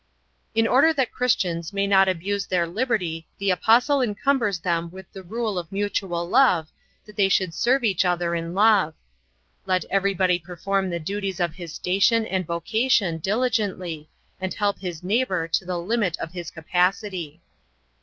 In order that Christians may not abuse their liberty the Apostle encumbers them with the rule of mutual love that they should serve each other in love. Let everybody perform the duties of his station and vocation diligently and help his neighbor to the limit of his capacity.